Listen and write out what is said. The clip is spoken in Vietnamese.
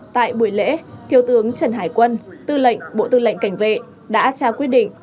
tại buổi lễ thiếu tướng trần hải quân tư lệnh bộ tư lệnh cảnh vệ đã trao quyết định